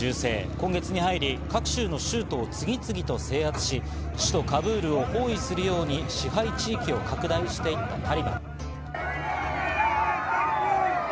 今月に入り、各州の州都を次々と制圧し、首都・カブールを包囲するように支配地域を拡大していたタリバン。